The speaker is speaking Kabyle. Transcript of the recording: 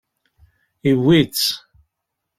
Yewwi-tt.